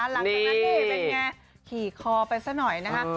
หลังจากนั้นนี่เป็นไงขี่คอไปซะหน่อยนะคะ